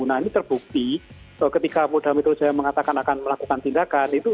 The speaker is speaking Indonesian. nah ini terbukti ketika polda metro jaya mengatakan akan melakukan tindakan